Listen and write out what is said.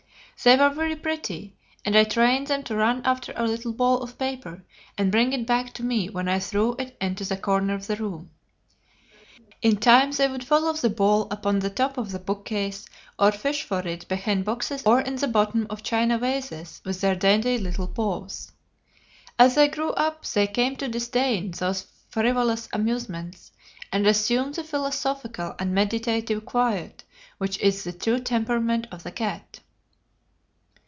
They were very pretty, and I trained them to run after a little ball of paper and bring it back to me when I threw it into the corner of the room. In time they would follow the ball up to the top of the bookcase, or fish for it behind boxes or in the bottom of china vases with their dainty little paws. As they grew up they came to disdain those frivolous amusements, and assumed the philosophical and meditative quiet which is the true temperament of the cat.